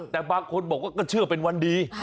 แต่บางคนบอกว่าก็เชื่อเป็นวันดี